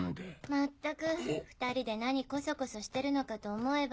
まったく２人で何コソコソしてるのかと思えば。